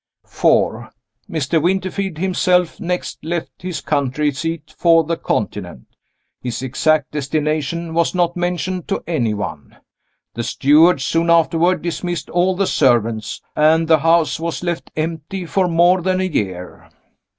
4. Mr. Winterfield himself next left his country seat for the Continent. His exact destination was not mentioned to any one. The steward, soon afterward, dismissed all the servants, and the house was left empty for more than a year.